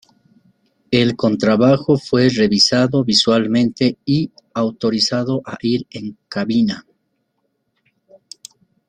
El contrabajo fue revisado visualmente y autorizado a ir en cabina.